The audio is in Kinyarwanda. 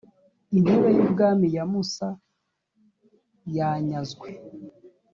intebe y ubwami ya musa yanyazwe